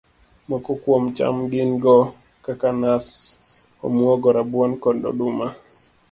Moko kuom cham go gin kaka nas, omuogo, rabuon, kod oduma